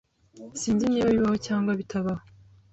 Sinzi niba bibaho cyangwa bitabaho.